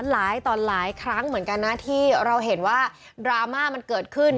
หลายต่อหลายครั้งเหมือนกันนะที่เราเห็นว่าดราม่ามันเกิดขึ้น